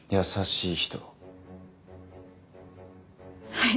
はい。